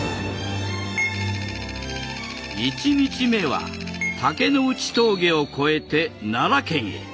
１日目は竹内峠を越えて奈良県へ。